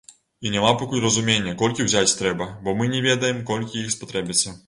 І няма пакуль разумення, колькі ўзяць трэба, бо мы не ведаем, колькі іх спатрэбіцца.